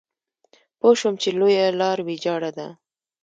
پوه شوم چې لویه لار ويجاړه ده.